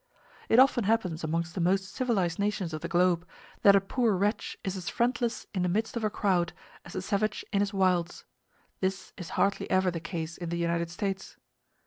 It often happens amongst the most civilized nations of the globe, that a poor wretch is as friendless in the midst of a crowd as the savage in his wilds: this is hardly ever the case in the United States.